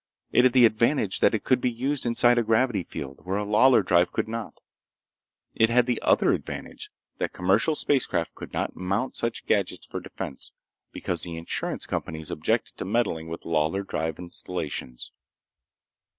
It had the advantage that it could be used inside a gravity field, where a Lawlor drive could not. It had the other advantage that commercial spacecraft could not mount such gadgets for defense, because the insurance companies objected to meddling with Lawlor drive installations.